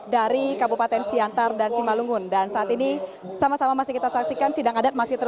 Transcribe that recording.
dari kabupaten siantar dan simalungun dan saat ini sama sama masih kita saksikan sidang adat